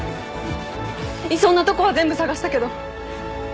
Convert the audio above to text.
いそうなとこは全部捜したけど。